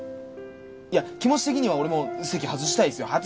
いや気持ち的には俺も席外したいっすよ